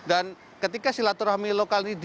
dan ketika silaturahmi lokal ini dibolehkan